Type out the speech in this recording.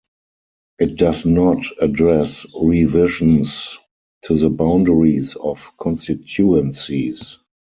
It does not address revisions to the boundaries of constituencies.